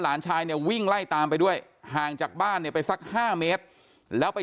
หลานชายเนี่ยวิ่งไล่ตามไปด้วยห่างจากบ้านเนี่ยไปสัก๕เมตรแล้วไป